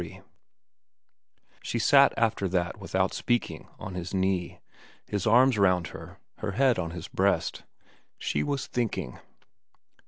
XXIII SHE sat after that without speaking on his knee, his arms round her, her head on his breast. She was thinking.